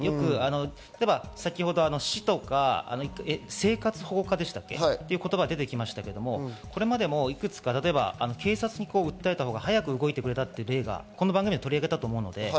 生活保護課という言葉が出てきましたけど、これまでもいくつか警察に訴えたほうが早く動いてくれたという例をこの番組でも取り上げたと思います。